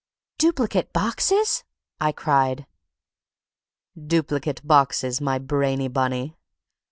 "Duplicate boxes!" I cried. "Duplicate boxes, my brainy Bunny.